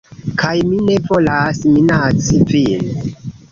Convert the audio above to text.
Kaj mi ne volas minaci vin